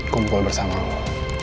kumpul bersama lo